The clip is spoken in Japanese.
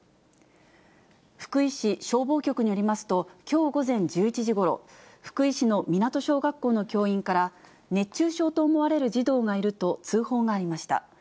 福井市消防局によりますと、きょう午前１１時ごろ、福井市の湊小学校の教員から、熱中症と思われる児童がいると通報がありました。